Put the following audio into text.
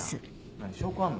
何証拠あんの？